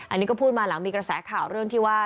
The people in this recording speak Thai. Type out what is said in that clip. อันนี้ก็พูดมาหลังมีกระแสข่าวเรื่องที่ว่า